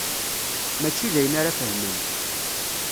Mačči d ayen ara fehmen.